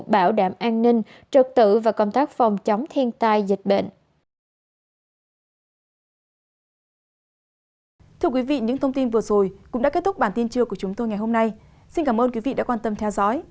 bảo đảm an ninh trật tự và công tác phòng chống thiên tai dịch bệnh